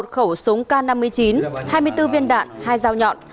một khẩu súng k năm mươi chín hai mươi bốn viên đạn hai dao nhọn